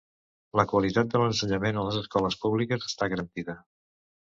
La qualitat de l'ensenyament a les escoles públiques està garantida.